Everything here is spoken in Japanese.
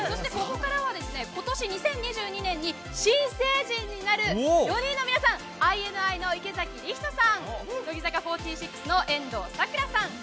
ここからは今年２０２２年に新成人になる、４人の皆さん、ＩＮＩの池崎理人さん、乃木坂４６の遠藤さくらさん